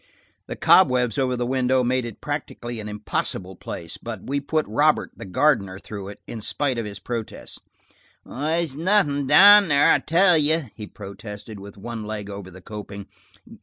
The cobwebs over the window made it practically an impossible place, but we put Robert, the gardener, through it, in spite of his protests. "There's nothin' there, I tell you," he protested, with one leg over the coping.